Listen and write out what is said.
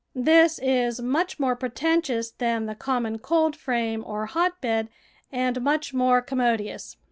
This is much more preten tious than the common coldframe or hotbed and much more commodious.